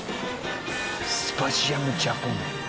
スパジアムジャポン。